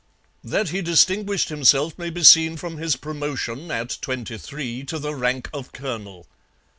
That he distinguished himself may be seen from his promotion, at twenty three, to the rank of colonel.